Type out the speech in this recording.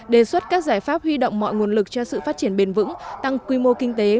đề xuất các giải pháp huy động mọi nguồn lực cho sự phát triển bền vững tăng quy mô kinh tế